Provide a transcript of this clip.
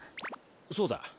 そうだ。